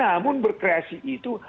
namun berkreasi itu